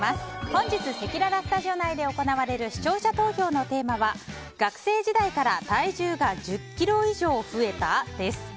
本日、せきららスタジオ内で行われる視聴者投票のテーマは学生時代から体重が１０ｋｇ以上増えた？です。